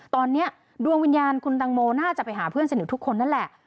ตอนนี้ดวงวิญญาณคุณตังโมน่าจะไปหาเพื่อนสนิททุกคนนั่นแหละ